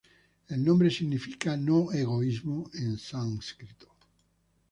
El nombre significa "No-Egoismo" en sánscrito.